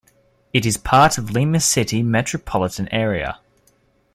It is part of Lima city metropolitan area.